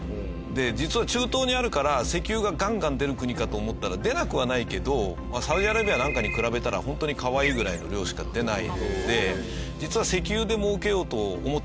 実は中東にあるから石油がガンガン出る国かと思ったら出なくはないけどサウジアラビアなんかに比べたらホントにかわいいぐらいの量しか出ないので実は石油で儲けようと思ってなくて。